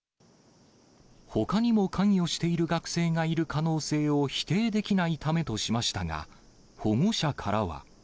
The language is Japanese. ほかにも関与している学生がいる可能性を否定できないためとしましたが、保護者からは。